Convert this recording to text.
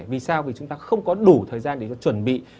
vì sao vì chúng ta không có đủ thời gian để chuẩn bị